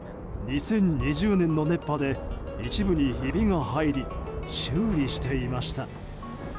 ２０２０年の熱波で一部にひびが入り修理していました。